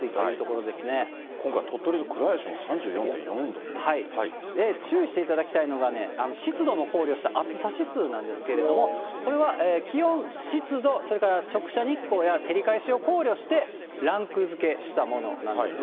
今回、鳥取の倉吉でも３４．注意していただきたいのが、湿度を考慮した暑さ指数なんですけれども、これは気温、湿度、それから直射日光や照り返しを考慮してランク付けしたものなんですね。